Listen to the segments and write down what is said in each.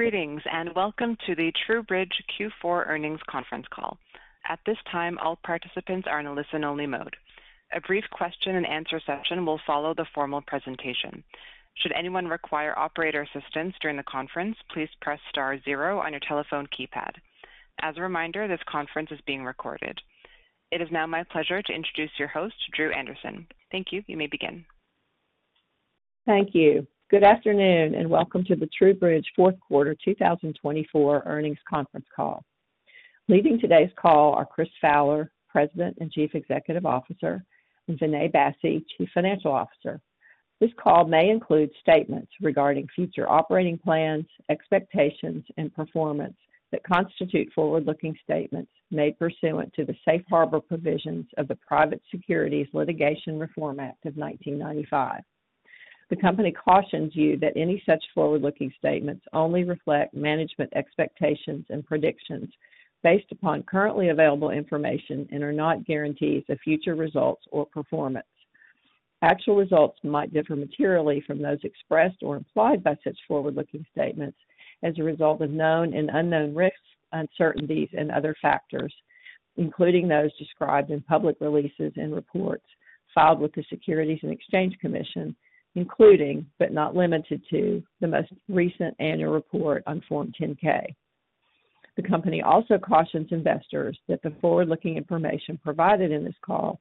Greetings and welcome to the TruBridge Q4 earnings conference call. At this time, all participants are in a listen-only mode. A brief question-and-answer session will follow the formal presentation. Should anyone require operator assistance during the conference, please press star zero on your telephone keypad. As a reminder, this conference is being recorded. It is now my pleasure to introduce your host, Dru Anderson. Thank you. You may begin. Thank you. Good afternoon and welcome to the TruBridge Q4 2024 earnings conference call. Leading today's call are Chris Fowler, President and Chief Executive Officer, and Vinay Bassi, Chief Financial Officer. This call may include statements regarding future operating plans, expectations, and performance that constitute forward-looking statements made pursuant to the safe harbor provisions of the Private Securities Litigation Reform Act of 1995. The company cautions you that any such forward-looking statements only reflect management expectations and predictions based upon currently available information and are not guarantees of future results or performance. Actual results might differ materially from those expressed or implied by such forward-looking statements as a result of known and unknown risks, uncertainties, and other factors, including those described in public releases and reports filed with the Securities and Exchange Commission, including, but not limited to, the most recent annual report on Form 10-K. The company also cautions investors that the forward-looking information provided in this call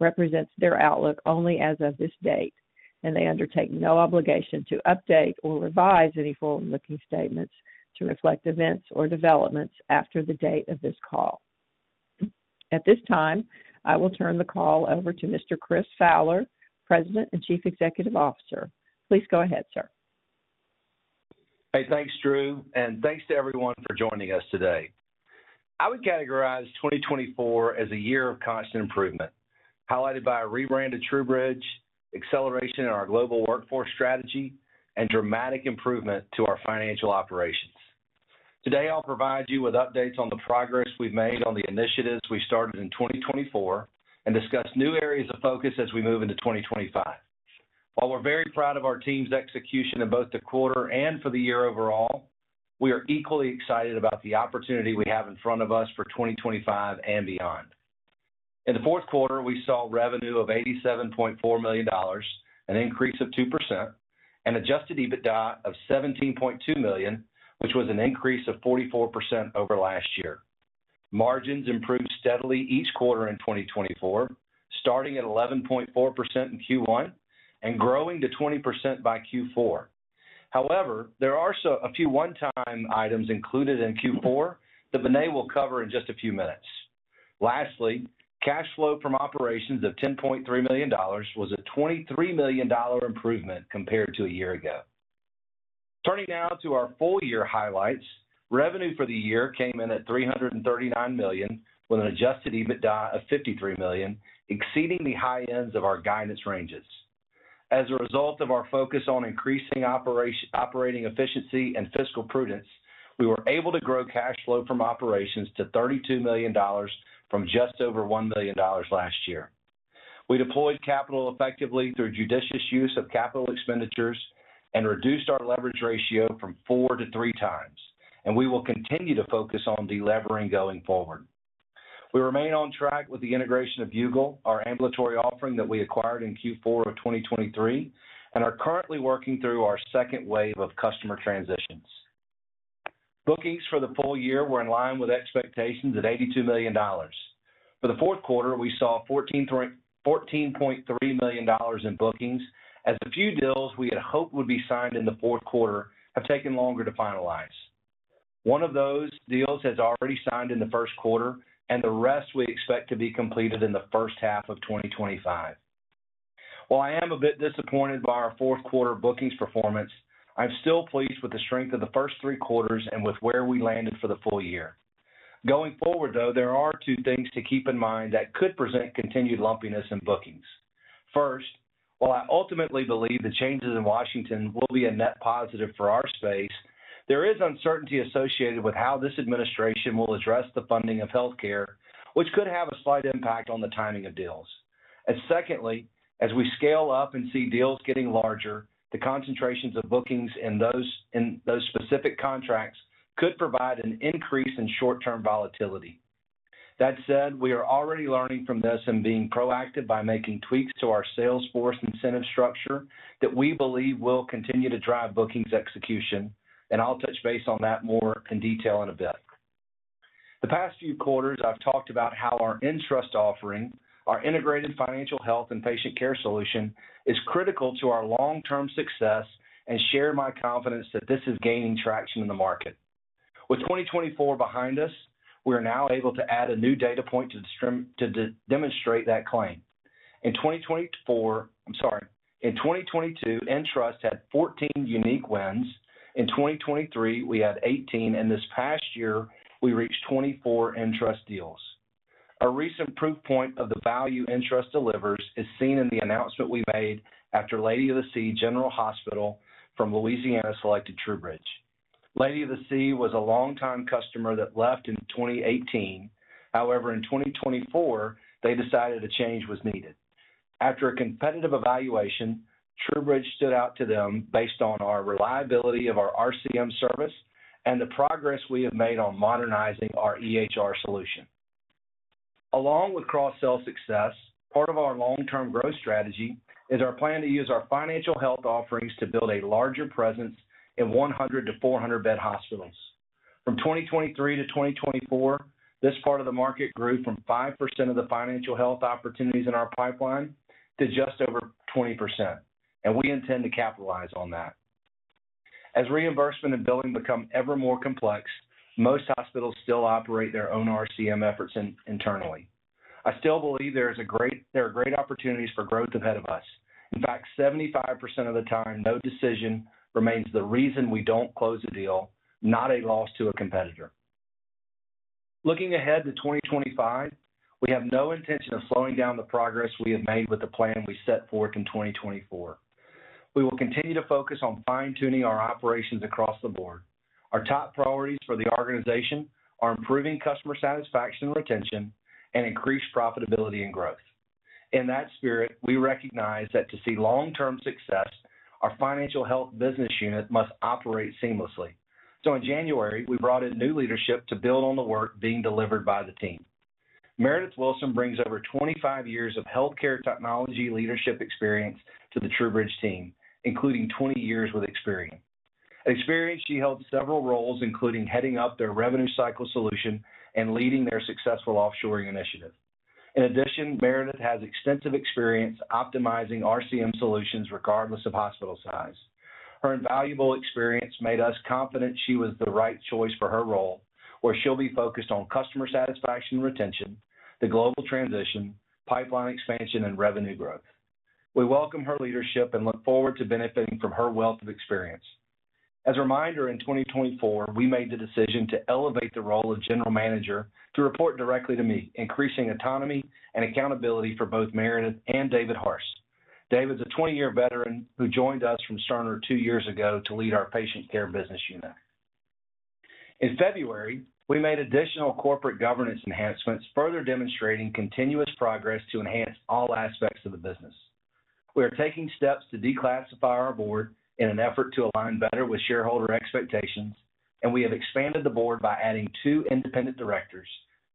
represents their outlook only as of this date, and they undertake no obligation to update or revise any forward-looking statements to reflect events or developments after the date of this call. At this time, I will turn the call over to Mr. Chris Fowler, President and Chief Executive Officer. Please go ahead, sir. Hey, thanks, Dru, and thanks to everyone for joining us today. I would categorize 2024 as a year of constant improvement, highlighted by a rebrand of TruBridge, acceleration in our global workforce strategy, and dramatic improvement to our financial operations. Today, I'll provide you with updates on the progress we've made on the initiatives we started in 2024 and discuss new areas of focus as we move into 2025. While we're very proud of our team's execution in both the quarter and for the year overall, we are equally excited about the opportunity we have in front of us for 2025 and beyond. In the fourth quarter, we saw revenue of $87.4 million, an increase of 2%, and adjusted EBITDA of $17.2 million, which was an increase of 44% over last year. Margins improved steadily each quarter in 2024, starting at 11.4% in Q1 and growing to 20% by Q4. However, there are a few one-time items included in Q4 that Vinay will cover in just a few minutes. Lastly, cash flow from operations of $10.3 million was a $23 million improvement compared to a year ago. Turning now to our full-year highlights, revenue for the year came in at $339 million with an adjusted EBITDA of $53 million, exceeding the high ends of our guidance ranges. As a result of our focus on increasing operating efficiency and fiscal prudence, we were able to grow cash flow from operations to $32 million from just over $1 million last year. We deployed capital effectively through judicious use of capital expenditures and reduced our leverage ratio from four to three times, and we will continue to focus on delevering going forward. We remain on track with the integration of Viewgol, our ambulatory offering that we acquired in Q4 of 2023, and are currently working through our second wave of customer transitions. Bookings for the full year were in line with expectations at $82 million. For the fourth quarter, we saw $14.3 million in bookings, as a few deals we had hoped would be signed in the fourth quarter have taken longer to finalize. One of those deals has already signed in the first quarter, and the rest we expect to be completed in the first half of 2025. While I am a bit disappointed by our fourth quarter bookings performance, I'm still pleased with the strength of the first three quarters and with where we landed for the full year. Going forward, though, there are two things to keep in mind that could present continued lumpiness in bookings. First, while I ultimately believe the changes in Washington will be a net positive for our space, there is uncertainty associated with how this administration will address the funding of healthcare, which could have a slight impact on the timing of deals. Secondly, as we scale up and see deals getting larger, the concentrations of bookings in those specific contracts could provide an increase in short-term volatility. That said, we are already learning from this and being proactive by making tweaks to our sales force incentive structure that we believe will continue to drive bookings execution, and I'll touch base on that more in detail in a bit. The past few quarters, I've talked about how our nTrust offering, our integrated financial health and patient care solution, is critical to our long-term success and share my confidence that this is gaining traction in the market. With 2024 behind us, we are now able to add a new data point to demonstrate that claim. In 2024, I'm sorry, in 2022, nTrust had 14 unique wins. In 2023, we had 18, and this past year, we reached 24 nTrust deals. A recent proof point of the value nTrust delivers is seen in the announcement we made after Lady of the Sea General Hospital from Louisiana selected TruBridge. Lady of the Sea was a longtime customer that left in 2018. However, in 2024, they decided a change was needed. After a competitive evaluation, TruBridge stood out to them based on our reliability of our RCM service and the progress we have made on modernizing our EHR solution. Along with cross-sell success, part of our long-term growth strategy is our plan to use our financial health offerings to build a larger presence in 100 to 400-bed hospitals. From 2023 to 2024, this part of the market grew from 5% of the financial health opportunities in our pipeline to just over 20%, and we intend to capitalize on that. As reimbursement and billing become ever more complex, most hospitals still operate their own RCM efforts internally. I still believe there are great opportunities for growth ahead of us. In fact, 75% of the time, no decision remains the reason we do not close a deal, not a loss to a competitor. Looking ahead to 2025, we have no intention of slowing down the progress we have made with the plan we set forth in 2024. We will continue to focus on fine-tuning our operations across the board. Our top priorities for the organization are improving customer satisfaction and retention, and increased profitability and growth. In that spirit, we recognize that to see long-term success, our financial health business unit must operate seamlessly. In January, we brought in new leadership to build on the work being delivered by the team. Meredith Wilson brings over 25 years of healthcare technology leadership experience to the TruBridge team, including 20 years with Experian. At Experian, she held several roles, including heading up their revenue cycle solution and leading their successful offshoring initiative. In addition, Meredith has extensive experience optimizing RCM solutions regardless of hospital size. Her invaluable experience made us confident she was the right choice for her role, where she'll be focused on customer satisfaction and retention, the global transition, pipeline expansion, and revenue growth. We welcome her leadership and look forward to benefiting from her wealth of experience. As a reminder, in 2024, we made the decision to elevate the role of General Manager to report directly to me, increasing autonomy and accountability for both Meredith and David Harse. David's a 20-year veteran who joined us from Cerner two years ago to lead our patient care business unit. In February, we made additional corporate governance enhancements, further demonstrating continuous progress to enhance all aspects of the business. We are taking steps to declassify our board in an effort to align better with shareholder expectations, and we have expanded the board by adding two independent directors: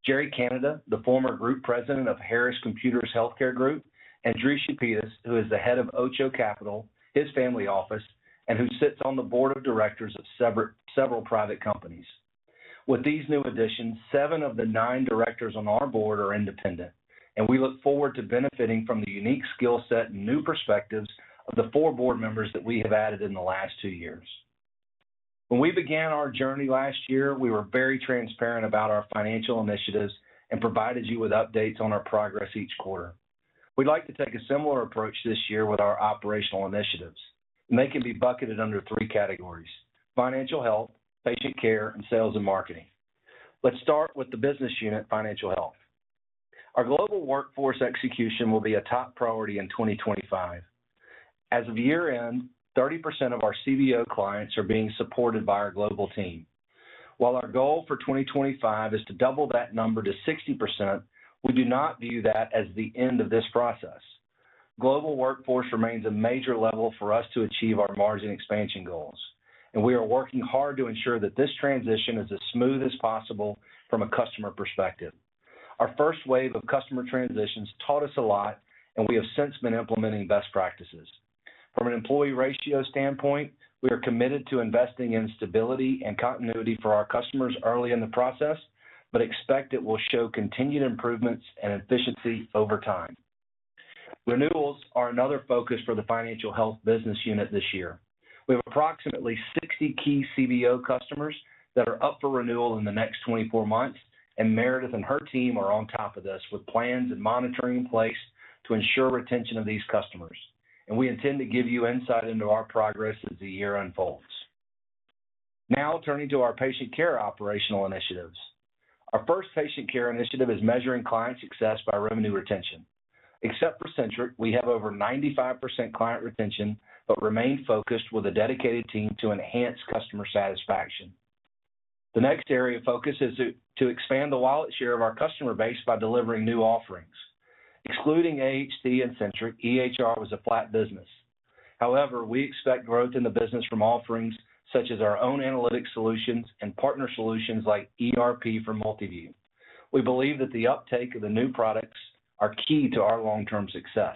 Jerry Canada, the former group president of Harris Computers Healthcare Group, and Dris Upitis, who is the head of Ocho Capital, his family office, and who sits on the board of directors of several private companies. With these new additions, seven of the nine directors on our board are independent, and we look forward to benefiting from the unique skill set and new perspectives of the four board members that we have added in the last two years. When we began our journey last year, we were very transparent about our financial initiatives and provided you with updates on our progress each quarter. We'd like to take a similar approach this year with our operational initiatives, and they can be bucketed under three categories: financial health, patient care, and sales and marketing. Let's start with the business unit, financial health. Our global workforce execution will be a top priority in 2025. As of year-end, 30% of our CBO clients are being supported by our global team. While our goal for 2025 is to double that number to 60%, we do not view that as the end of this process. Global workforce remains a major lever for us to achieve our margin expansion goals, and we are working hard to ensure that this transition is as smooth as possible from a customer perspective. Our first wave of customer transitions taught us a lot, and we have since been implementing best practices. From an employee ratio standpoint, we are committed to investing in stability and continuity for our customers early in the process, but expect it will show continued improvements and efficiency over time. Renewals are another focus for the financial health business unit this year. We have approximately 60 key CBO customers that are up for renewal in the next 24 months, and Meredith and her team are on top of this with plans and monitoring in place to ensure retention of these customers. We intend to give you insight into our progress as the year unfolds. Now, turning to our patient care operational initiatives. Our first patient care initiative is measuring client success by revenue retention. Except for Centriq, we have over 95% client retention, but remain focused with a dedicated team to enhance customer satisfaction. The next area of focus is to expand the wallet share of our customer base by delivering new offerings. Excluding AHT and Centriq, EHR was a flat business. However, we expect growth in the business from offerings such as our own analytic solutions and partner solutions like ERP for Multiview. We believe that the uptake of the new products is key to our long-term success.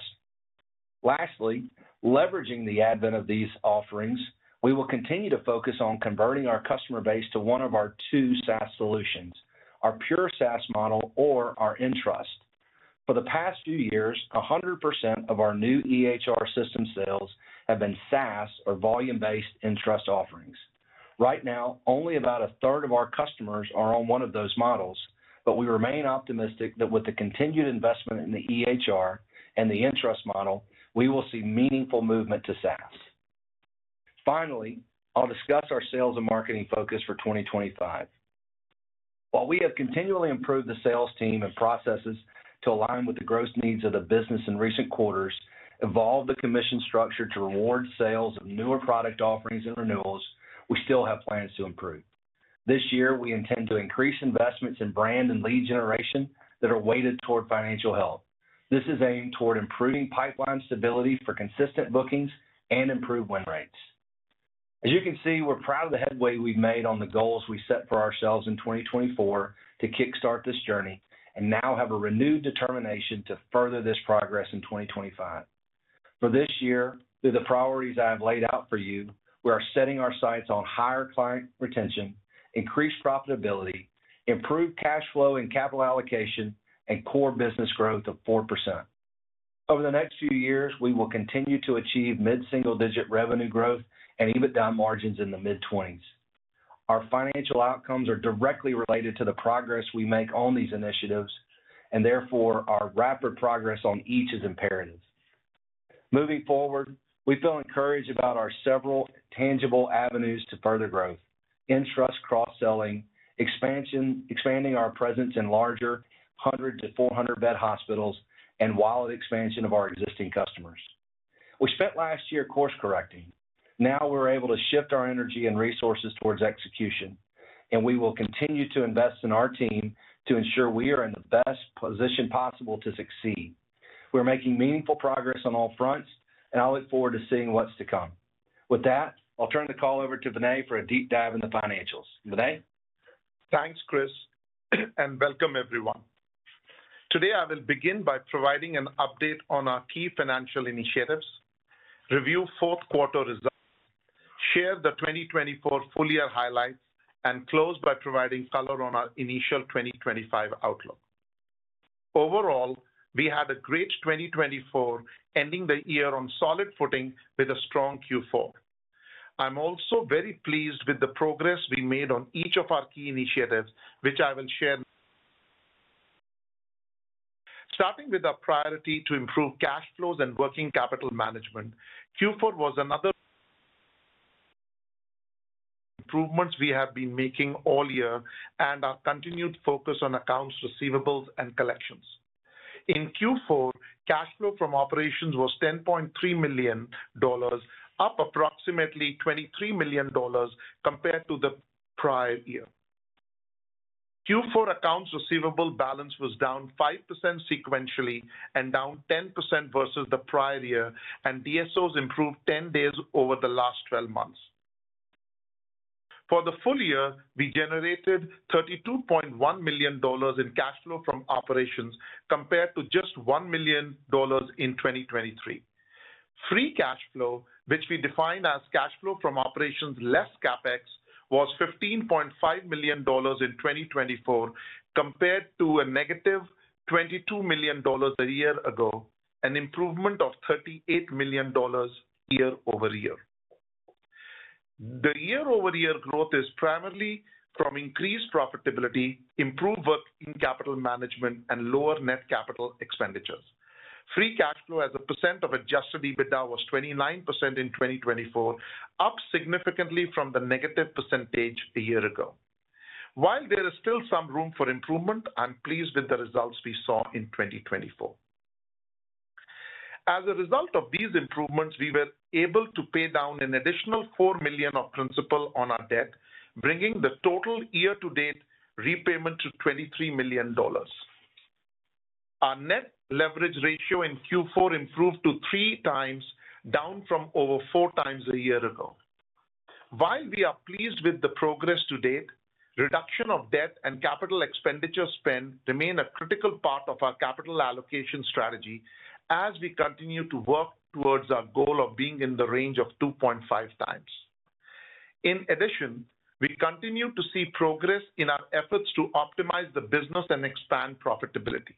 Lastly, leveraging the advent of these offerings, we will continue to focus on converting our customer base to one of our two SaaS solutions, our Pure SaaS model or our nTrust. For the past few years, 100% of our new EHR system sales have been SaaS or volume-based nTrust offerings. Right now, only about a third of our customers are on one of those models, but we remain optimistic that with the continued investment in the EHR and the nTrust model, we will see meaningful movement to SaaS. Finally, I'll discuss our sales and marketing focus for 2025. While we have continually improved the sales team and processes to align with the growth needs of the business in recent quarters, evolved the commission structure to reward sales of newer product offerings and renewals, we still have plans to improve. This year, we intend to increase investments in brand and lead generation that are weighted toward financial health. This is aimed toward improving pipeline stability for consistent bookings and improved win rates. As you can see, we're proud of the headway we've made on the goals we set for ourselves in 2024 to kickstart this journey and now have a renewed determination to further this progress in 2025. For this year, through the priorities I have laid out for you, we are setting our sights on higher client retention, increased profitability, improved cash flow and capital allocation, and core business growth of 4%. Over the next few years, we will continue to achieve mid-single-digit revenue growth and EBITDA margins in the mid-20s. Our financial outcomes are directly related to the progress we make on these initiatives, and therefore, our rapid progress on each is imperative. Moving forward, we feel encouraged about our several tangible avenues to further growth: nTrust cross-selling, expanding our presence in larger 100-400 bed hospitals, and wallet expansion of our existing customers. We spent last year course-correcting. Now we're able to shift our energy and resources towards execution, and we will continue to invest in our team to ensure we are in the best position possible to succeed. We're making meaningful progress on all fronts, and I look forward to seeing what's to come. With that, I'll turn the call over to Vinay for a deep dive in the financials. Vinay? Thanks, Chris, and welcome, everyone. Today, I will begin by providing an update on our key financial initiatives, review fourth quarter results, share the 2024 full year highlights, and close by providing color on our initial 2025 outlook. Overall, we had a great 2024, ending the year on solid footing with a strong Q4. I'm also very pleased with the progress we made on each of our key initiatives, which I will share. Starting with our priority to improve cash flows and working capital management, Q4 was another improvement we have been making all year and our continued focus on accounts receivables and collections. In Q4, cash flow from operations was $10.3 million, up approximately $23 million compared to the prior year. Q4 accounts receivable balance was down 5% sequentially and down 10% versus the prior year, and DSOs improved 10 days over the last 12 months. For the full year, we generated $32.1 million in cash flow from operations compared to just $1 million in 2023. Free cash flow, which we define as cash flow from operations less CapEx, was $15.5 million in 2024 compared to a negative $22 million a year ago, an improvement of $38 million year-over-year. The year-over-year growth is primarily from increased profitability, improved working capital management, and lower net capital expenditures. Free cash flow as a percent of adjusted EBITDA was 29% in 2024, up significantly from the negative percentage a year ago. While there is still some room for improvement, I'm pleased with the results we saw in 2024. As a result of these improvements, we were able to pay down an additional $4 million of principal on our debt, bringing the total year-to-date repayment to $23 million. Our net leverage ratio in Q4 improved to 3 times, down from over 4 times a year ago. While we are pleased with the progress to date, reduction of debt and capital expenditure spend remain a critical part of our capital allocation strategy as we continue to work towards our goal of being in the range of 2.5 times. In addition, we continue to see progress in our efforts to optimize the business and expand profitability.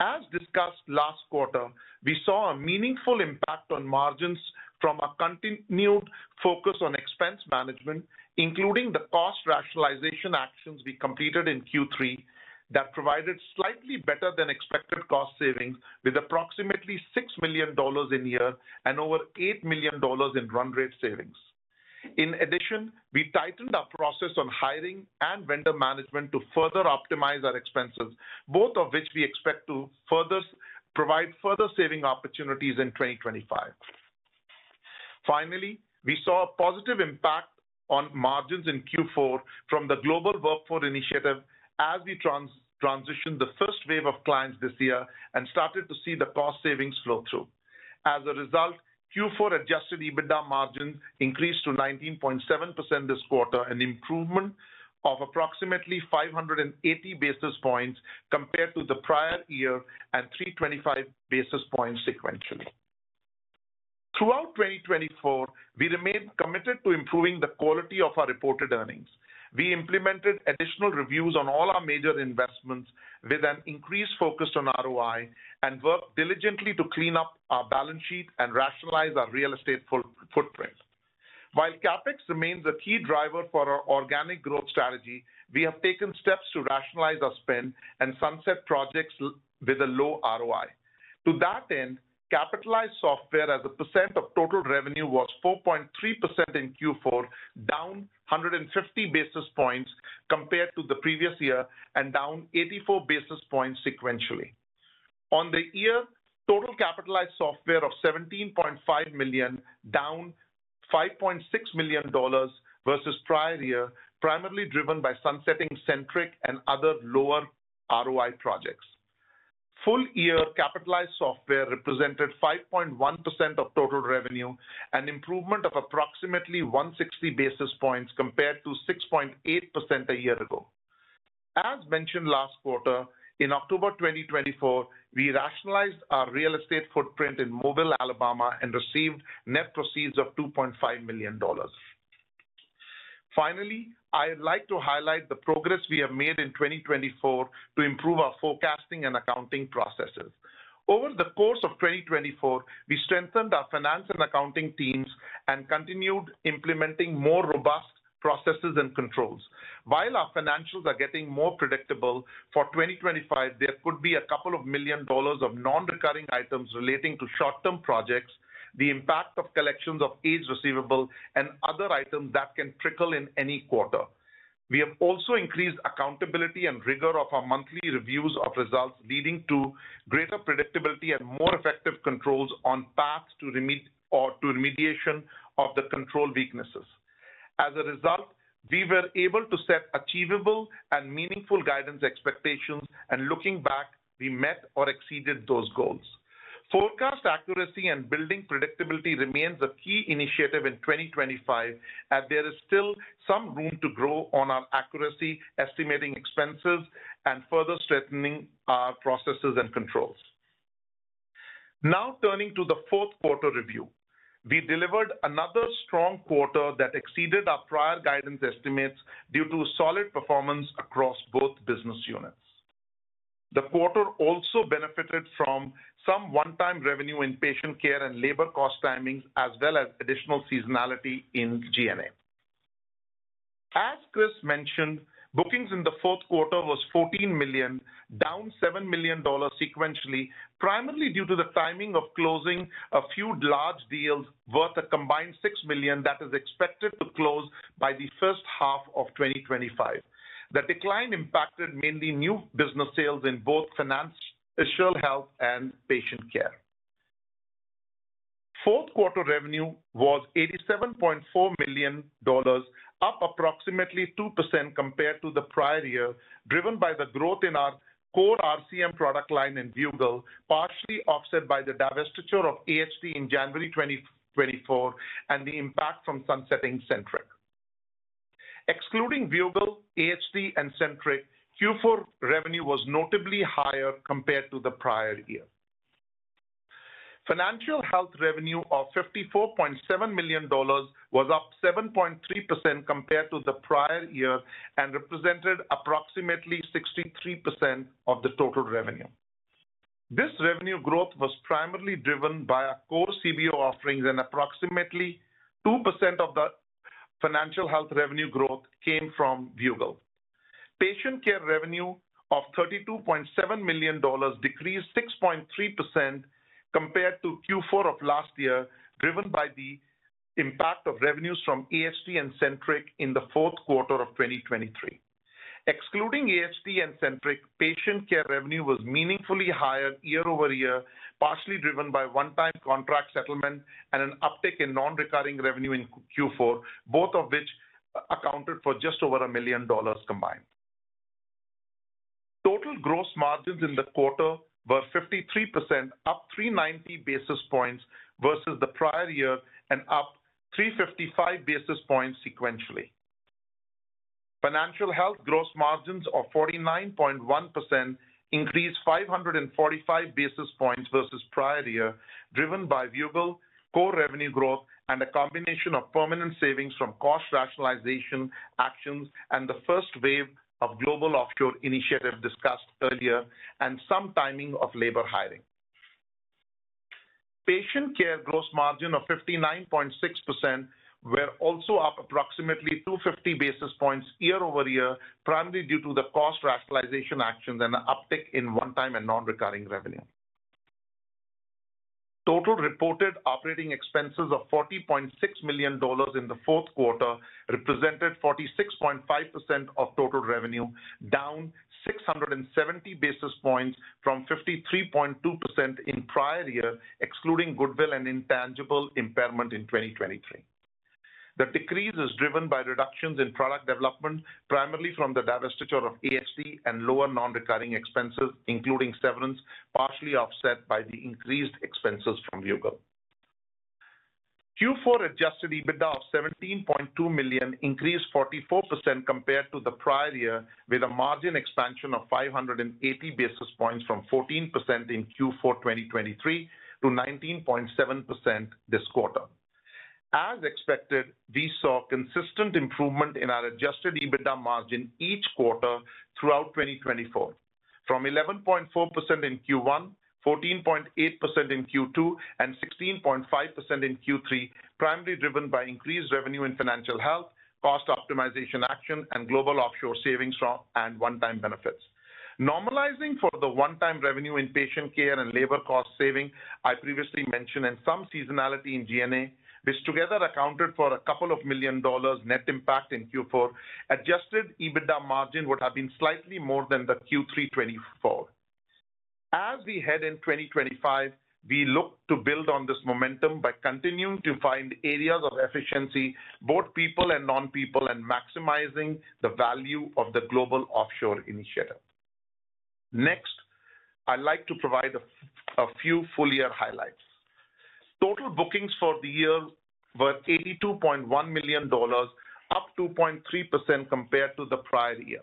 As discussed last quarter, we saw a meaningful impact on margins from our continued focus on expense management, including the cost rationalization actions we completed in Q3 that provided slightly better than expected cost savings with approximately $6 million in year and over $8 million in run rate savings. In addition, we tightened our process on hiring and vendor management to further optimize our expenses, both of which we expect to provide further saving opportunities in 2025. Finally, we saw a positive impact on margins in Q4 from the Global Workforce Initiative as we transitioned the first wave of clients this year and started to see the cost savings flow through. As a result, Q4 adjusted EBITDA margins increased to 19.7% this quarter, an improvement of approximately 580 basis points compared to the prior year and 325 basis points sequentially. Throughout 2024, we remained committed to improving the quality of our reported earnings. We implemented additional reviews on all our major investments with an increased focus on ROI and worked diligently to clean up our balance sheet and rationalize our real estate footprint. While CapEx remains a key driver for our organic growth strategy, we have taken steps to rationalize our spend and sunset projects with a low ROI. To that end, capitalized software as a percent of total revenue was 4.3% in Q4, down 150 basis points compared to the previous year, and down 84 basis points sequentially. On the year, total capitalized software of $17.5 million, down $5.6 million versus prior year, primarily driven by sunsetting Centriq and other lower ROI projects. Full year capitalized software represented 5.1% of total revenue, an improvement of approximately 160 basis points compared to 6.8% a year ago. As mentioned last quarter, in October 2024, we rationalized our real estate footprint in Mobile, Alabama, and received net proceeds of $2.5 million. Finally, I'd like to highlight the progress we have made in 2024 to improve our forecasting and accounting processes. Over the course of 2024, we strengthened our finance and accounting teams and continued implementing more robust processes and controls. While our financials are getting more predictable, for 2025, there could be a couple of million dollars of non-recurring items relating to short-term projects, the impact of collections of aged receivable, and other items that can trickle in any quarter. We have also increased accountability and rigor of our monthly reviews of results, leading to greater predictability and more effective controls on paths to remediation of the control weaknesses. As a result, we were able to set achievable and meaningful guidance expectations, and looking back, we met or exceeded those goals. Forecast accuracy and building predictability remains a key initiative in 2025, as there is still some room to grow on our accuracy, estimating expenses, and further strengthening our processes and controls. Now, turning to the fourth quarter review, we delivered another strong quarter that exceeded our prior guidance estimates due to solid performance across both business units. The quarter also benefited from some one-time revenue in patient care and labor cost timings, as well as additional seasonality in G&A. As Chris mentioned, bookings in the fourth quarter was $14.3 million, down $7 million sequentially, primarily due to the timing of closing a few large deals worth a combined $6 million that is expected to close by the first half of 2025. The decline impacted mainly new business sales in both financial health and patient care. Fourth quarter revenue was $87.4 million, up approximately 2% compared to the prior year, driven by the growth in our core RCM product line in Viewgol, partially offset by the divestiture of AHT in January 2024 and the impact from sunsetting Centriq. Excluding Viewgol, AHT, and Centriq, Q4 revenue was notably higher compared to the prior year. Financial health revenue of $54.7 million was up 7.3% compared to the prior year and represented approximately 63% of the total revenue. This revenue growth was primarily driven by our core CBO offerings, and approximately 2% of the financial health revenue growth came from Viewgol. Patient care revenue of $32.7 million decreased 6.3% compared to Q4 of last year, driven by the impact of revenues from AHT and Centriq in the fourth quarter of 2023. Excluding AHT and Centriq, patient care revenue was meaningfully higher year over year, partially driven by one-time contract settlement and an uptick in non-recurring revenue in Q4, both of which accounted for just over $1 million combined. Total gross margins in the quarter were 53%, up 390 basis points versus the prior year, and up 355 basis points sequentially. Financial health gross margins of 49.1% increased 545 basis points versus prior year, driven by Viewgol core revenue growth and a combination of permanent savings from cost rationalization actions and the first wave of Global Offshore Initiative discussed earlier, and some timing of labor hiring. Patient care gross margin of 59.6% were also up approximately 250 basis points year over year, primarily due to the cost rationalization actions and an uptick in one-time and non-recurring revenue. Total reported operating expenses of $40.6 million in the fourth quarter represented 46.5% of total revenue, down 670 basis points from 53.2% in prior year, excluding goodwill and intangible impairment in 2023. The decrease is driven by reductions in product development, primarily from the divestiture of AHT and lower non-recurring expenses, including severance, partially offset by the increased expenses from Viewgol. Q4 adjusted EBITDA of $17.2 million increased 44% compared to the prior year, with a margin expansion of 580 basis points from 14% in Q4 2023 to 19.7% this quarter. As expected, we saw consistent improvement in our adjusted EBITDA margin each quarter throughout 2024, from 11.4% in Q1, 14.8% in Q2, and 16.5% in Q3, primarily driven by increased revenue in financial health, cost optimization action, and global offshore savings and one-time benefits. Normalizing for the one-time revenue in patient care and labor cost saving I previously mentioned and some seasonality in G&A, which together accounted for a couple of million dollars net impact in Q4, adjusted EBITDA margin would have been slightly more than the Q3 2024. As we head in 2025, we look to build on this momentum by continuing to find areas of efficiency, both people and non-people, and maximizing the value of the Global Offshore Initiative. Next, I'd like to provide a few full year highlights. Total bookings for the year were $82.1 million, up 2.3% compared to the prior year.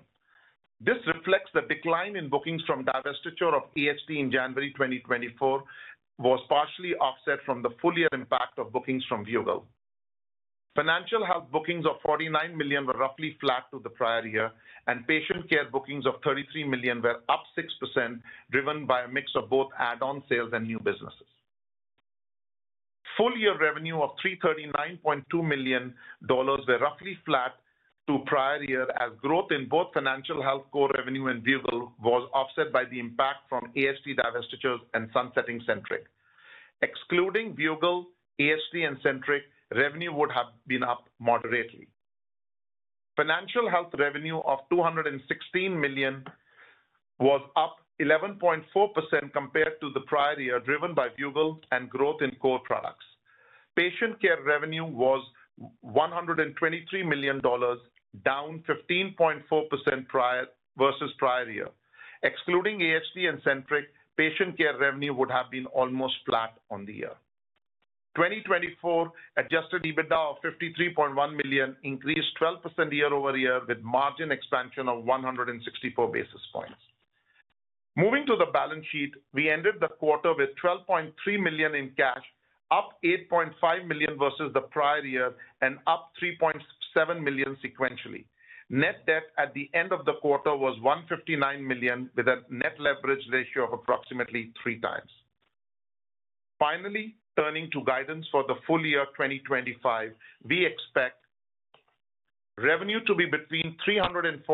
This reflects the decline in bookings from divestiture of AHT in January 2024 was partially offset from the full year impact of bookings from Viewgol. Financial health bookings of $49 million were roughly flat to the prior year, and patient care bookings of $33 million were up 6%, driven by a mix of both add-on sales and new businesses. Full year revenue of $339.2 million was roughly flat to prior year as growth in both financial health core revenue and Viewgol was offset by the impact from AHT divestitures and sunsetting Centriq. Excluding Viewgol, AHT, and Centriq, revenue would have been up moderately. Financial health revenue of $216 million was up 11.4% compared to the prior year, driven by Viewgol and growth in core products. Patient care revenue was $123 million, down 15.4% versus prior year. Excluding AHT and Centriq, patient care revenue would have been almost flat on the year. 2024 adjusted EBITDA of $53.1 million increased 12% year over year with margin expansion of 164 basis points. Moving to the balance sheet, we ended the quarter with $12.3 million in cash, up $8.5 million versus the prior year and up $3.7 million sequentially. Net debt at the end of the quarter was $159 million, with a net leverage ratio of approximately three times. Finally, turning to guidance for the full year 2025, we expect revenue to be between $345 million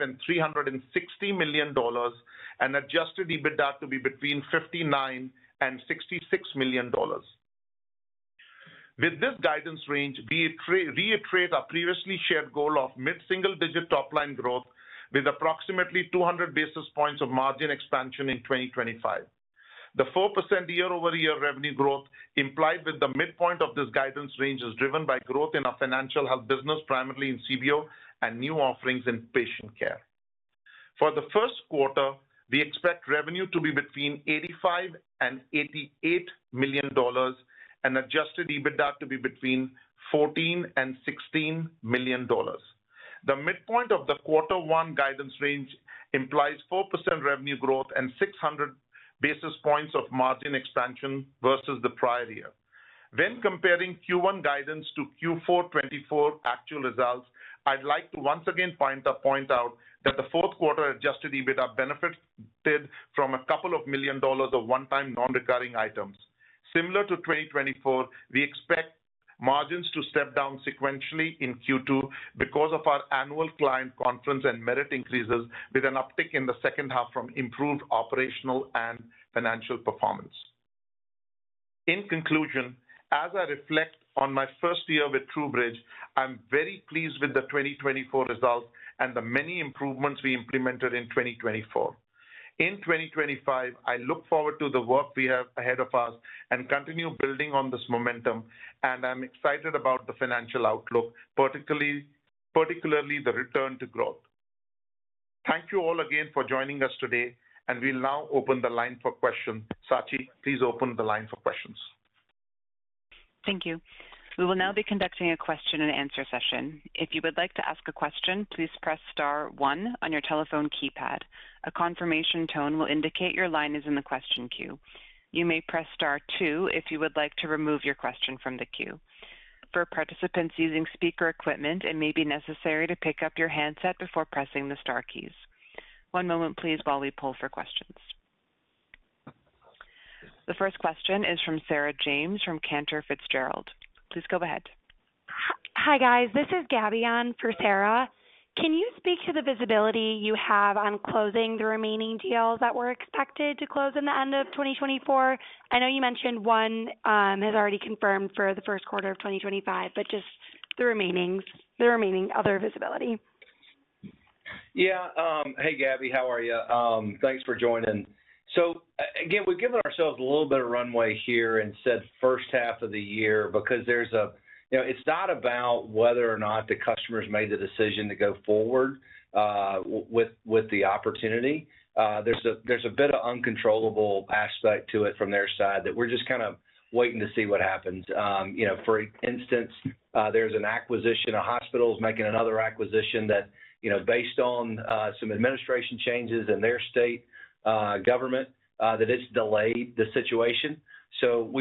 and $360 million and adjusted EBITDA to be between $59 million and $66 million. With this guidance range, we reiterate our previously shared goal of mid-single digit top line growth with approximately 200 basis points of margin expansion in 2025. The 4% year over year revenue growth implied with the midpoint of this guidance range is driven by growth in our financial health business, primarily in CBO and new offerings in patient care. For the first quarter, we expect revenue to be between $85 million and $88 million and adjusted EBITDA to be between $14 million and $16 million. The midpoint of the quarter one guidance range implies 4% revenue growth and 600 basis points of margin expansion versus the prior year. When comparing Q1 guidance to Q4 2024 actual results, I'd like to once again point out that the fourth quarter adjusted EBITDA benefited from a couple of million dollars of one-time non-recurring items. Similar to 2024, we expect margins to step down sequentially in Q2 because of our annual client conference and merit increases, with an uptick in the second half from improved operational and financial performance. In conclusion, as I reflect on my first year with TruBridge, I'm very pleased with the 2024 results and the many improvements we implemented in 2024. In 2025, I look forward to the work we have ahead of us and continue building on this momentum, and I'm excited about the financial outlook, particularly the return to growth. Thank you all again for joining us today, and we'll now open the line for questions. Sachi, please open the line for questions. Thank you. We will now be conducting a question and answer session. If you would like to ask a question, please press star one on your telephone keypad. A confirmation tone will indicate your line is in the question queue. You may press star two if you would like to remove your question from the queue. For participants using speaker equipment, it may be necessary to pick up your handset before pressing the star keys. One moment, please, while we pull for questions. The first question is from Sarah James from Cantor Fitzgerald. Please go ahead. Hi guys, this is Gabby on for Sarah. Can you speak to the visibility you have on closing the remaining deals that were expected to close in the end of 2024? I know you mentioned one has already confirmed for the first quarter of 2025, but just the remaining, the remaining other visibility. Yeah. Hey, Gabby, how are you? Thanks for joining. Again, we've given ourselves a little bit of runway here and said first half of the year because there's a, you know, it's not about whether or not the customers made the decision to go forward with the opportunity. There's a bit of uncontrollable aspect to it from their side that we're just kind of waiting to see what happens. You know, for instance, there's an acquisition, a hospital is making another acquisition that, you know, based on some administration changes in their state government, that it's delayed the situation.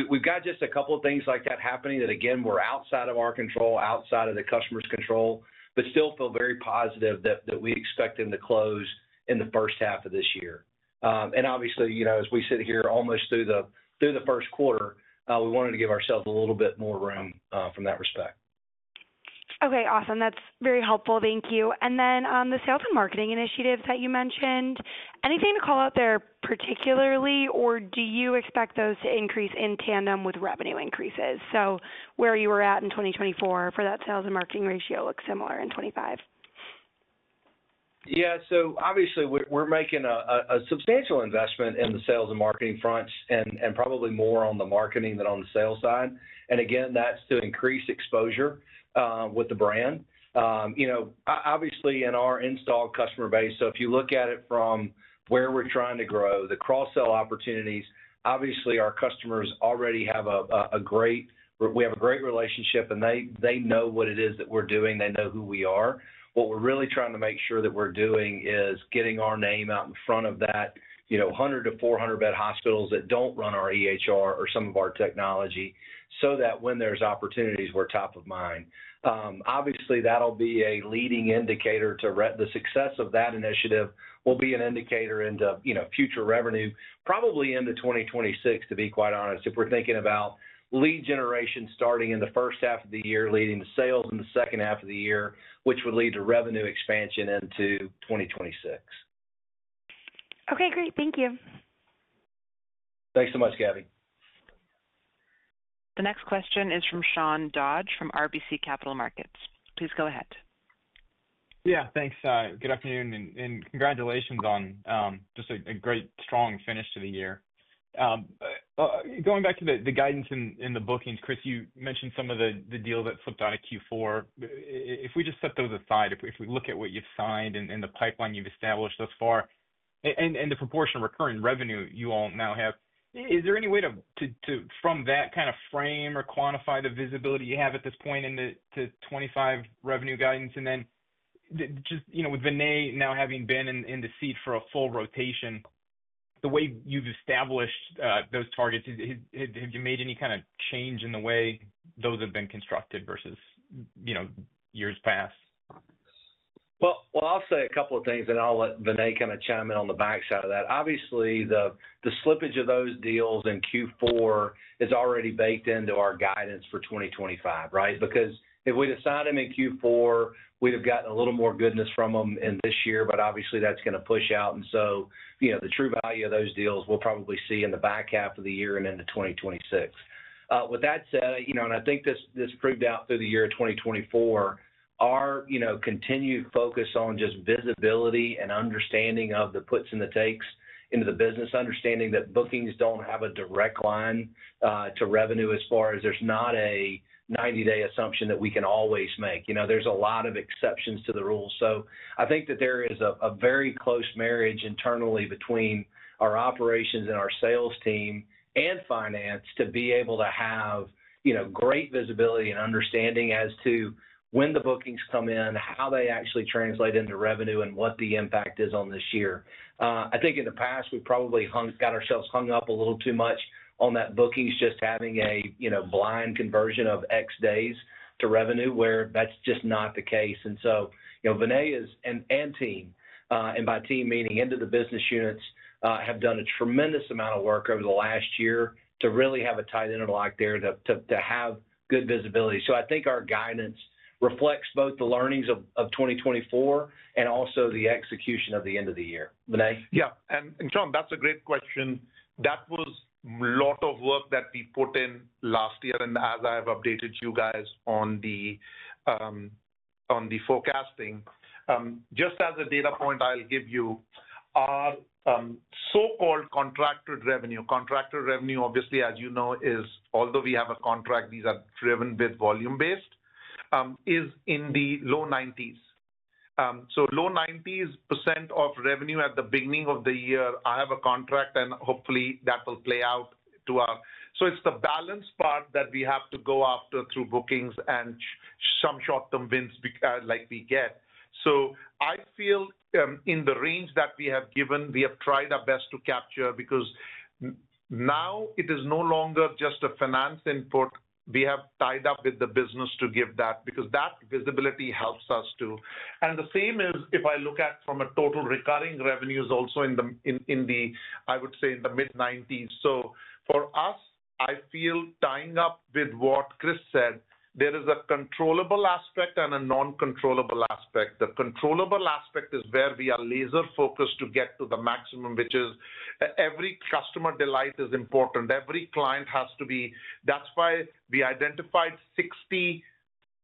We've got just a couple of things like that happening that, again, are outside of our control, outside of the customer's control, but still feel very positive that we expect them to close in the first half of this year. Obviously, you know, as we sit here almost through the first quarter, we wanted to give ourselves a little bit more room from that respect. Okay, awesome. That is very helpful. Thank you. The sales and marketing initiatives that you mentioned, anything to call out there particularly, or do you expect those to increase in tandem with revenue increases? Where you were at in 2024 for that sales and marketing ratio looks similar in 2025. Yeah, obviously we are making a substantial investment in the sales and marketing fronts and probably more on the marketing than on the sales side. Again, that is to increase exposure with the brand. You know, obviously in our install customer base, so if you look at it from where we're trying to grow, the cross-sell opportunities, obviously our customers already have a great, we have a great relationship and they know what it is that we're doing. They know who we are. What we're really trying to make sure that we're doing is getting our name out in front of that, you know, 100-400 bed hospitals that do not run our EHR or some of our technology so that when there's opportunities, we're top of mind. Obviously, that'll be a leading indicator to the success of that initiative, will be an indicator into, you know, future revenue, probably into 2026, to be quite honest, if we're thinking about lead generation starting in the first half of the year, leading to sales in the second half of the year, which would lead to revenue expansion into 2026. Okay, great. Thank you. Thanks so much, Gabby. The next question is from Sean Dodge from RBC Capital Markets. Please go ahead. Yeah, thanks. Good afternoon and congratulations on just a great, strong finish to the year. Going back to the guidance in the bookings, Chris, you mentioned some of the deals that slipped out of Q4. If we just set those aside, if we look at what you've signed and the pipeline you've established thus far and the proportion of recurring revenue you all now have, is there any way to, from that kind of frame or quantify the visibility you have at this point in the 2025 revenue guidance? And then just, you know, with Vinay now having been in the seat for a full rotation, the way you've established those targets, have you made any kind of change in the way those have been constructed versus, you know, years past? I will say a couple of things and I'll let Vinay kind of chime in on the backside of that. Obviously, the slippage of those deals in Q4 is already baked into our guidance for 2025, right? Because if we'd have signed them in Q4, we'd have gotten a little more goodness from them in this year, but obviously that's going to push out. You know, the true value of those deals we'll probably see in the back half of the year and into 2026. With that said, you know, and I think this proved out through the year of 2024, our, you know, continued focus on just visibility and understanding of the puts and the takes into the business, understanding that bookings don't have a direct line to revenue as far as there's not a 90-day assumption that we can always make. You know, there's a lot of exceptions to the rules. I think that there is a very close marriage internally between our operations and our sales team and finance to be able to have, you know, great visibility and understanding as to when the bookings come in, how they actually translate into revenue, and what the impact is on this year. I think in the past we've probably got ourselves hung up a little too much on that bookings just having a, you know, blind conversion of X days to revenue where that's just not the case. You know, Vinay and team, and by team meaning into the business units, have done a tremendous amount of work over the last year to really have a tight interlock there to have good visibility. I think our guidance reflects both the learnings of 2024 and also the execution of the end of the year. Vinay? Yeah. Sean, that's a great question. That was a lot of work that we put in last year. As I have updated you guys on the forecasting, just as a data point I'll give you, our so-called contracted revenue, contracted revenue, obviously, as you know, is although we have a contract, these are driven with volume-based, is in the low 90s. Low 90s % of revenue at the beginning of the year, I have a contract and hopefully that will play out to our. It's the balance part that we have to go after through bookings and some short-term wins like we get. I feel in the range that we have given, we have tried our best to capture because now it is no longer just a finance input. We have tied up with the business to give that because that visibility helps us too. If I look at it from a total recurring revenues, also in the, I would say, in the mid-90s. For us, I feel tying up with what Chris said, there is a controllable aspect and a non-controllable aspect. The controllable aspect is where we are laser-focused to get to the maximum, which is every customer delight is important. Every client has to be. That is why we identified 60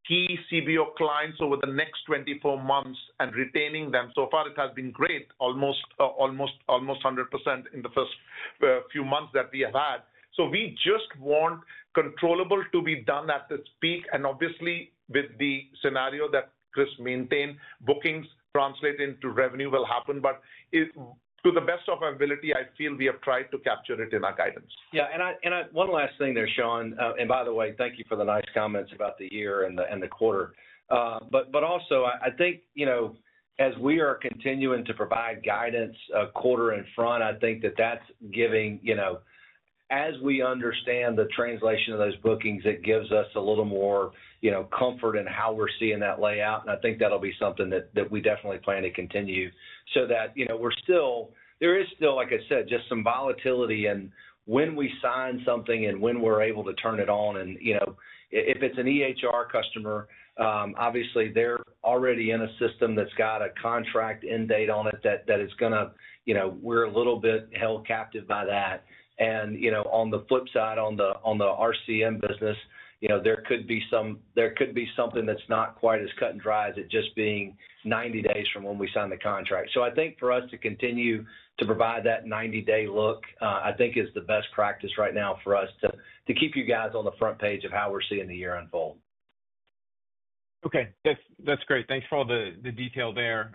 key CBO clients over the next 24 months and retaining them. So far it has been great, almost 100% in the first few months that we have had. We just want controllable to be done at this peak. Obviously, with the scenario that Chris maintained, bookings translate into revenue will happen. To the best of our ability, I feel we have tried to capture it in our guidance. Yeah. One last thing there, Sean. By the way, thank you for the nice comments about the year and the quarter. I think, you know, as we are continuing to provide guidance a quarter in front, I think that that's giving, you know, as we understand the translation of those bookings, it gives us a little more, you know, comfort in how we're seeing that layout. I think that'll be something that we definitely plan to continue so that, you know, we're still, there is still, like I said, just some volatility in when we sign something and when we're able to turn it on. You know, if it's an EHR customer, obviously they're already in a system that's got a contract end date on it that is going to, you know, we're a little bit held captive by that. You know, on the flip side on the RCM business, there could be something that's not quite as cut and dry as it just being 90 days from when we sign the contract. I think for us to continue to provide that 90-day look, I think is the best practice right now for us to keep you guys on the front page of how we're seeing the year unfold. Okay. That's great. Thanks for all the detail there.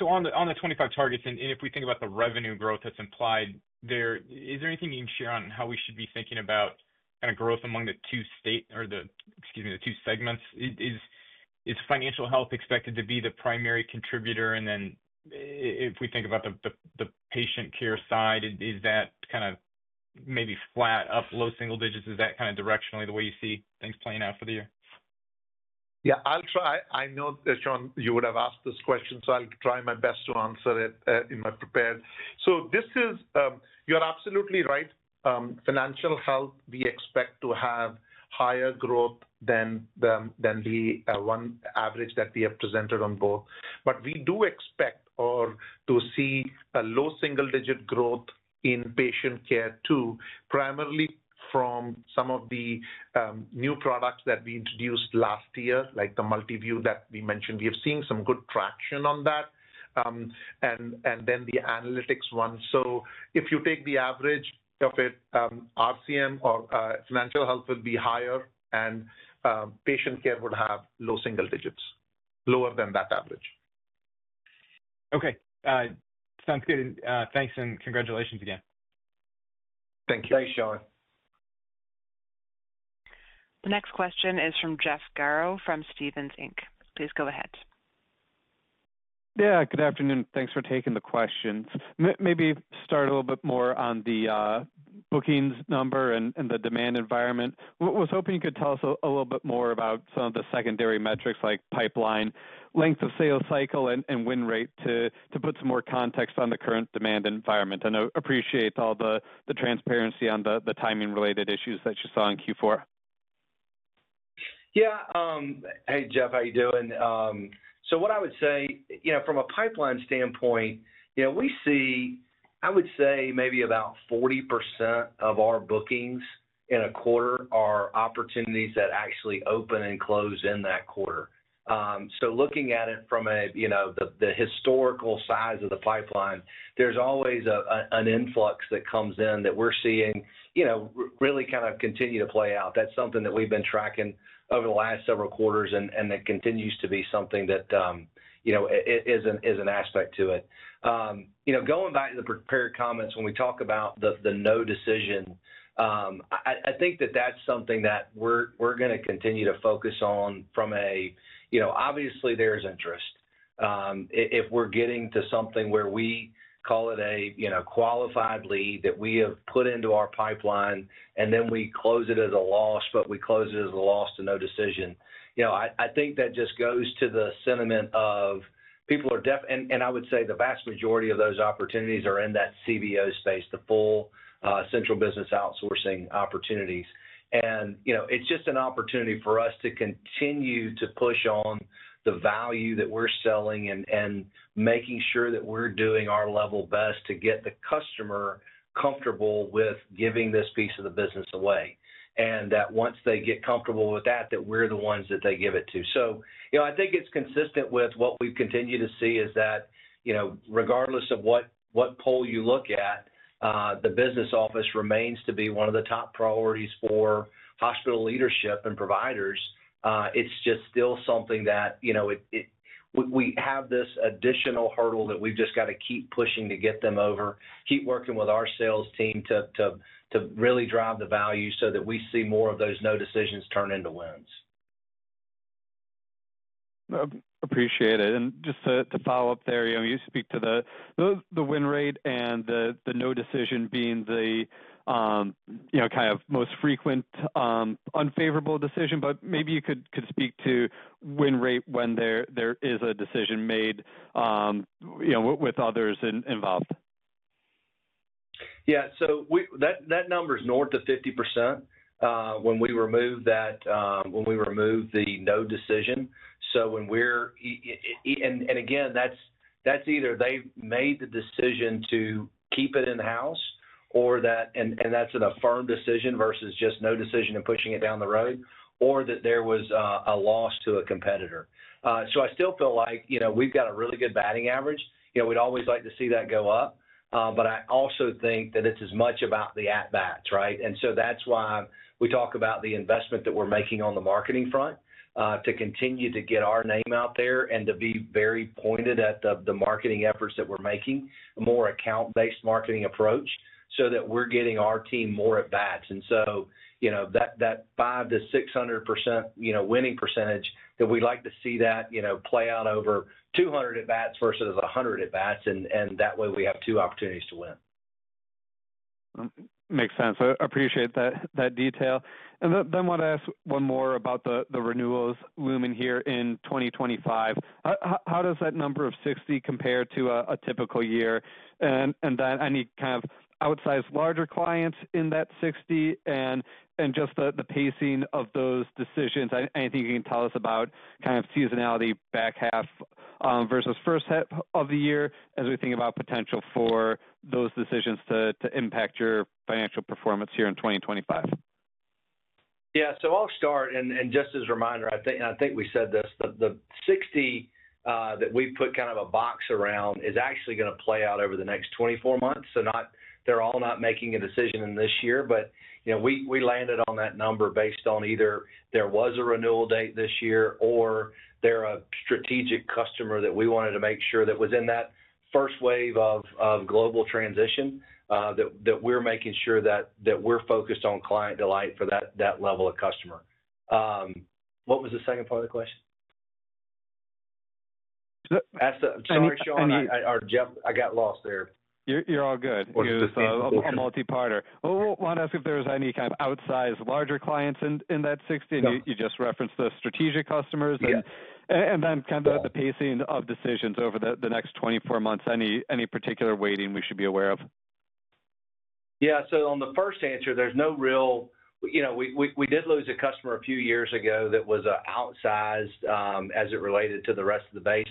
On the 25 targets and if we think about the revenue growth that's implied there, is there anything you can share on how we should be thinking about kind of growth among the two state or the, excuse me, the two segments? Is financial health expected to be the primary contributor? If we think about the patient care side, is that kind of maybe flat up, low single digits? Is that kind of directionally the way you see things playing out for the year? Yeah, I'll try. I know that Sean, you would have asked this question, so I'll try my best to answer it in my prepared. This is, you're absolutely right. Financial health, we expect to have higher growth than the one average that we have presented on both. We do expect to see a low single-digit growth in patient care too, primarily from some of the new products that we introduced last year, like the Multiview that we mentioned. We have seen some good traction on that and then the analytics one. If you take the average of it, RCM or financial health would be higher and patient care would have low single digits, lower than that average. Okay. Sounds good. Thanks and congratulations again. Thank you. Thanks, Sean. The next question is from Jeff Garro from Stephens. Please go ahead. Yeah, good afternoon. Thanks for taking the questions. Maybe start a little bit more on the bookings number and the demand environment. I was hoping you could tell us a little bit more about some of the secondary metrics like pipeline, length of sales cycle, and win rate to put some more context on the current demand environment. I appreciate all the transparency on the timing-related issues that you saw in Q4. Yeah. Hey, Jeff, how are you doing? What I would say, you know, from a pipeline standpoint, you know, we see, I would say maybe about 40% of our bookings in a quarter are opportunities that actually open and close in that quarter. Looking at it from a, you know, the historical size of the pipeline, there's always an influx that comes in that we're seeing, you know, really kind of continue to play out. That's something that we've been tracking over the last several quarters and that continues to be something that, you know, is an aspect to it. You know, going back to the prepared comments, when we talk about the no decision, I think that that's something that we're going to continue to focus on from a, you know, obviously there's interest. If we're getting to something where we call it a, you know, qualified lead that we have put into our pipeline and then we close it as a loss, but we close it as a loss to no decision, you know, I think that just goes to the sentiment of people are definitely, and I would say the vast majority of those opportunities are in that CBO space, the full central business outsourcing opportunities. You know, it's just an opportunity for us to continue to push on the value that we're selling and making sure that we're doing our level best to get the customer comfortable with giving this piece of the business away. Once they get comfortable with that, we're the ones that they give it to. You know, I think it's consistent with what we've continued to see is that, you know, regardless of what poll you look at, the business office remains to be one of the top priorities for hospital leadership and providers. It's just still something that, you know, we have this additional hurdle that we've just got to keep pushing to get them over, keep working with our sales team to really drive the value so that we see more of those no decisions turn into wins. Appreciate it. Just to follow up there, you know, you speak to the win rate and the no decision being the, you know, kind of most frequent unfavorable decision, but maybe you could speak to win rate when there is a decision made, you know, with others involved. Yeah. That number is north of 50% when we remove that, when we remove the no decision. When we're, and again, that's either they made the decision to keep it in-house or that, and that's an affirmed decision versus just no decision and pushing it down the road or that there was a loss to a competitor. I still feel like, you know, we've got a really good batting average. You know, we'd always like to see that go up, but I also think that it's as much about the at-bats, right? That's why we talk about the investment that we're making on the marketing front to continue to get our name out there and to be very pointed at the marketing efforts that we're making, a more account-based marketing approach so that we're getting our team more at-bats. You know, that 5-600%, you know, winning percentage, we'd like to see that, you know, play out over 200 at-bats versus 100 at-bats. That way we have two opportunities to win. Makes sense. I appreciate that detail. I want to ask one more about the renewals looming here in 2025. How does that number of 60 compare to a typical year? Any kind of outsized larger clients in that 60 and just the pacing of those decisions? Anything you can tell us about kind of seasonality back half versus first half of the year as we think about potential for those decisions to impact your financial performance here in 2025? Yeah. I'll start. Just as a reminder, I think we said this, the 60 that we put kind of a box around is actually going to play out over the next 24 months. They are all not making a decision in this year, but, you know, we landed on that number based on either there was a renewal date this year or they are a strategic customer that we wanted to make sure that was in that first wave of global transition that we are making sure that we are focused on client delight for that level of customer. What was the second part of the question? Ask the generic question. I got lost there. You are all good. You are a multi-partner. I want to ask if there is any kind of outsized larger clients in that 60? You just referenced the strategic customers and then kind of the pacing of decisions over the next 24 months. Any particular waiting we should be aware of? Yeah. On the first answer, there's no real, you know, we did lose a customer a few years ago that was outsized as it related to the rest of the base.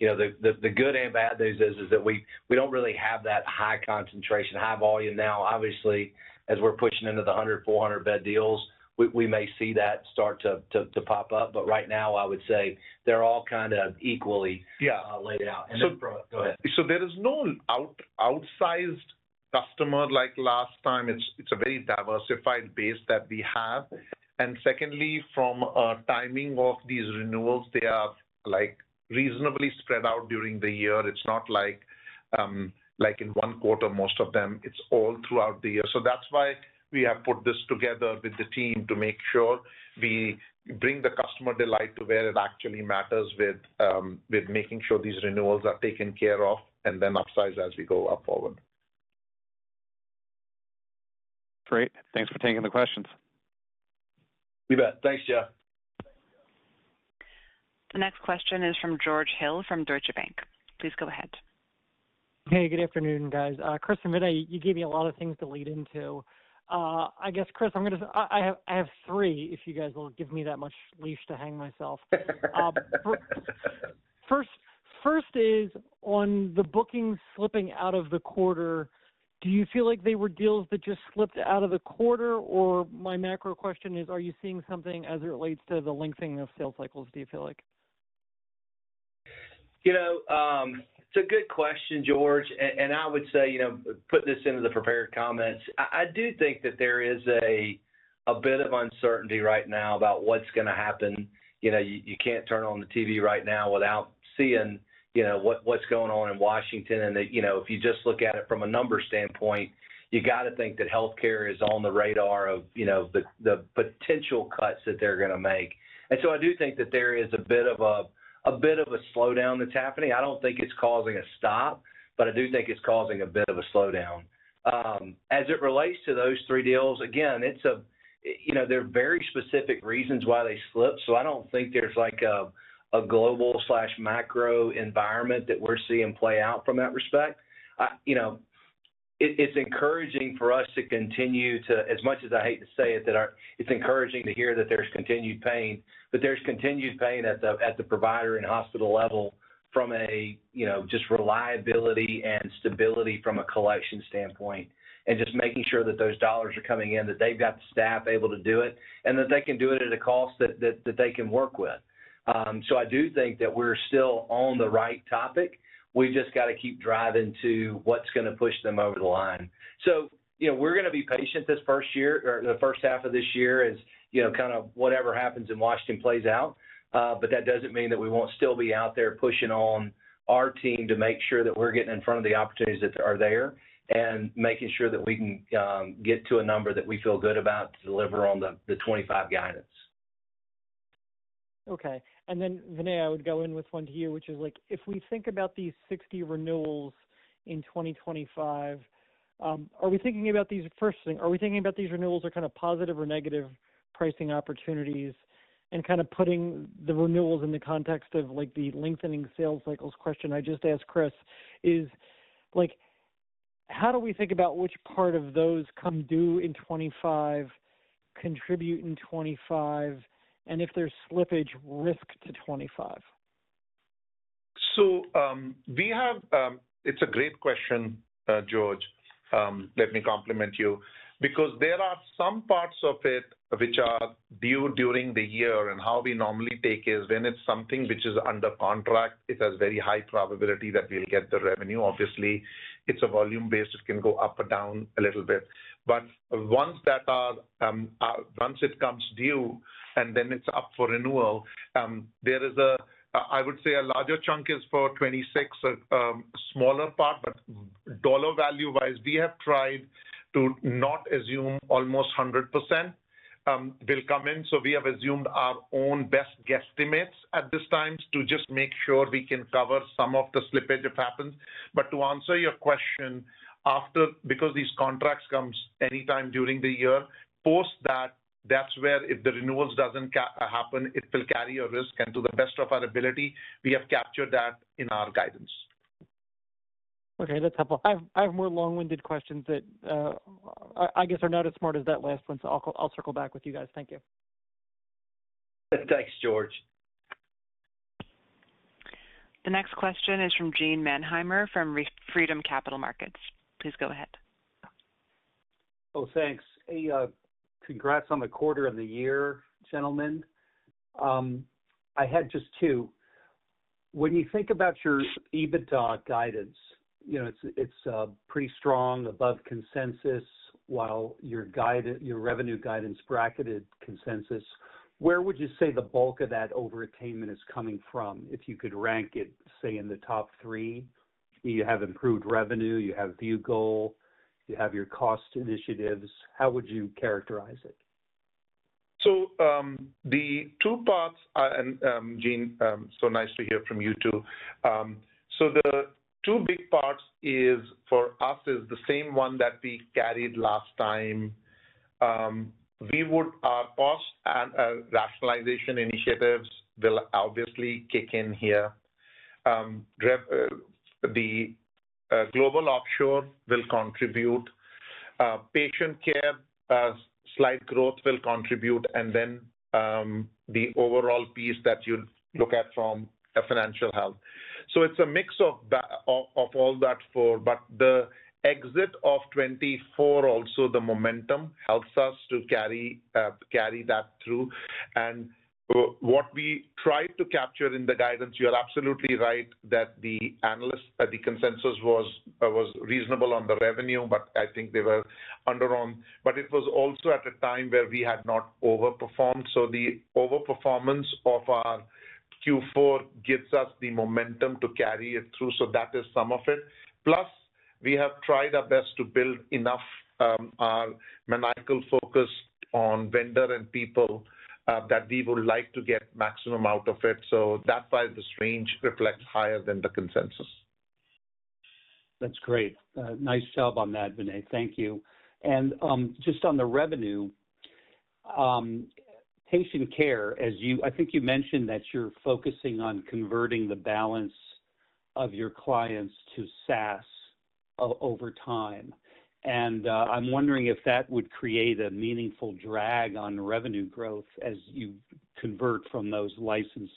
You know, the good and bad news is that we don't really have that high concentration, high volume now. Obviously, as we're pushing into the 100-400 bed deals, we may see that start to pop up. Right now, I would say they're all kind of equally laid out. There is no outsized customer like last time. It's a very diversified base that we have. Secondly, from timing of these renewals, they are like reasonably spread out during the year. It's not like in one quarter, most of them, it's all throughout the year. That's why we have put this together with the team to make sure we bring the customer delight to where it actually matters with making sure these renewals are taken care of and then upsize as we go up forward. Great. Thanks for taking the questions. You bet. Thanks, Jeff. The next question is from George Hill from Deutsche Bank. Please go ahead. Hey, good afternoon, guys. Chris and Vinay, you gave me a lot of things to lead into. I guess, Chris, I have three, if you guys will give me that much leash to hang myself. First is on the bookings slipping out of the quarter, do you feel like they were deals that just slipped out of the quarter? My macro question is, are you seeing something as it relates to the lengthening of sales cycles, do you feel like? You know, it's a good question, George. I would say, you know, put this into the prepared comments. I do think that there is a bit of uncertainty right now about what's going to happen. You know, you can't turn on the TV right now without seeing, you know, what's going on in Washington. If you just look at it from a numbers standpoint, you got to think that healthcare is on the radar of, you know, the potential cuts that they're going to make. I do think that there is a bit of a slowdown that's happening. I don't think it's causing a stop, but I do think it's causing a bit of a slowdown. As it relates to those three deals, again, it's a, you know, there are very specific reasons why they slipped. I don't think there's like a global slash macro environment that we're seeing play out from that respect. You know, it's encouraging for us to continue to, as much as I hate to say it, that it's encouraging to hear that there's continued pain, but there's continued pain at the provider and hospital level from a, you know, just reliability and stability from a collection standpoint and just making sure that those dollars are coming in, that they've got the staff able to do it and that they can do it at a cost that they can work with. I do think that we're still on the right topic. We just got to keep driving to what's going to push them over the line. You know, we're going to be patient this first year or the first half of this year as, you know, kind of whatever happens in Washington plays out. That does not mean that we will not still be out there pushing on our team to make sure that we are getting in front of the opportunities that are there and making sure that we can get to a number that we feel good about to deliver on the 2025 guidance. Okay. Vinay, I would go in with one to you, which is like, if we think about these 60 renewals in 2025, are we thinking about these first thing, are we thinking about these renewals are kind of positive or negative pricing opportunities and kind of putting the renewals in the context of like the lengthening sales cycles question I just asked Chris is like, how do we think about which part of those come due in 2025, contribute in 2025, and if there's slippage risk to 2025? It is a great question, George. Let me compliment you because there are some parts of it which are due during the year and how we normally take is when it is something which is under contract, it has very high probability that we will get the revenue. Obviously, it is volume-based, it can go up or down a little bit. Once it comes due and then it's up for renewal, there is a, I would say a larger chunk is for 2026, a smaller part, but dollar value-wise, we have tried to not assume almost 100% will come in. We have assumed our own best guesstimates at this time to just make sure we can cover some of the slippage if happens. To answer your question, after, because these contracts come anytime during the year, post that, that's where if the renewals doesn't happen, it will carry a risk. To the best of our ability, we have captured that in our guidance. Okay, that's helpful. I have more long-winded questions that I guess are not as smart as that last one. I'll circle back with you guys. Thank you. Thanks, George. The next question is from Gene Mannheimer from Freedom Capital Markets. Please go ahead. Oh, thanks. Hey, congrats on the quarter of the year, gentlemen. I had just two. When you think about your EBITDA guidance, you know, it's pretty strong above consensus while your revenue guidance bracketed consensus. Where would you say the bulk of that overattainment is coming from? If you could rank it, say, in the top three, you have improved revenue, you have Viewgol, you have your cost initiatives. How would you characterize it? The two parts, and Gene, so nice to hear from you too. The two big parts is for us is the same one that we carried last time. Our cost and rationalization initiatives will obviously kick in here. The global offshore will contribute. Patient care slight growth will contribute. Then the overall piece that you look at from financial health. It is a mix of all that for, but the exit of 2024, also the momentum helps us to carry that through. What we tried to capture in the guidance, you're absolutely right that the consensus was reasonable on the revenue, but I think they were underwhelmed. It was also at a time where we had not overperformed. The overperformance of our Q4 gives us the momentum to carry it through. That is some of it. Plus, we have tried our best to build enough our maniacal focus on vendor and people that we would like to get maximum out of it. That is why the range reflects higher than the consensus. That's great. Nice job on that, Vinay. Thank you. Just on the revenue, patient care, as you, I think you mentioned that you're focusing on converting the balance of your clients to SaaS over time. I'm wondering if that would create a meaningful drag on revenue growth as you convert from those license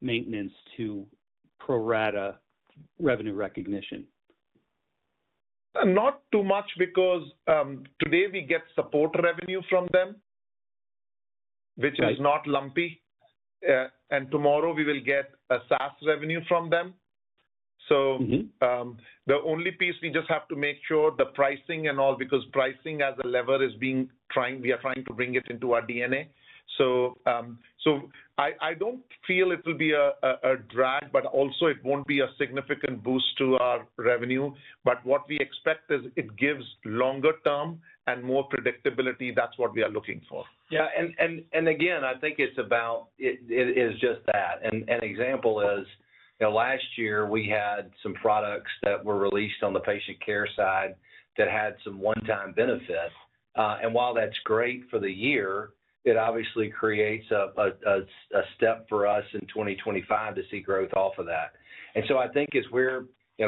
maintenance to pro-rata revenue recognition. Not too much because today we get support revenue from them, which is not lumpy. Tomorrow we will get a SaaS revenue from them. The only piece we just have to make sure is the pricing and all because pricing as a lever is being, we are trying to bring it into our DNA. I don't feel it will be a drag, but also it won't be a significant boost to our revenue. What we expect is it gives longer term and more predictability. That's what we are looking for. Yeah. I think it's about, it is just that. An example is, you know, last year we had some products that were released on the patient care side that had some one-time benefit. While that's great for the year, it obviously creates a step for us in 2025 to see growth off of that. I think as we're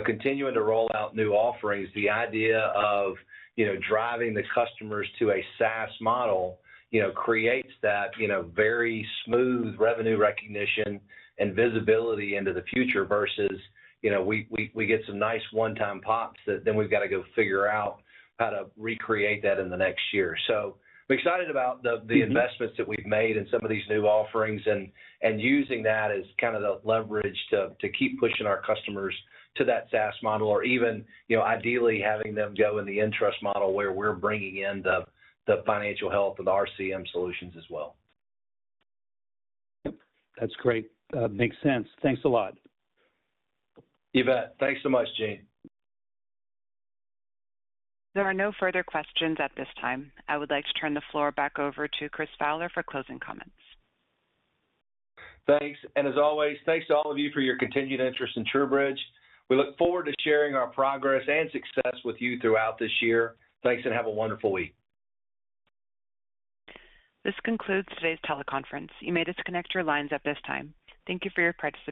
continuing to roll out new offerings, the idea of, you know, driving the customers to a SaaS model, you know, creates that, you know, very smooth revenue recognition and visibility into the future versus, you know, we get some nice one-time pops that then we've got to go figure out how to recreate that in the next year. I'm excited about the investments that we've made in some of these new offerings and using that as kind of the leverage to keep pushing our customers to that SaaS model or even, you know, ideally having them go in the nTrust model where we're bringing in the financial health and the RCM solutions as well. Yep. That's great. Makes sense. Thanks a lot. You bet. Thanks so much, Gene. There are no further questions at this time. I would like to turn the floor back over to Chris Fowler for closing comments. Thanks. As always, thanks to all of you for your continued interest in TruBridge. We look forward to sharing our progress and success with you throughout this year. Thanks and have a wonderful week. This concludes today's teleconference. You may disconnect your lines at this time. Thank you for your participation.